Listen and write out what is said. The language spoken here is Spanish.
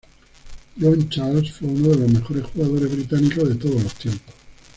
John Charles fue uno de los mejores jugadores británicos de todos los tiempos.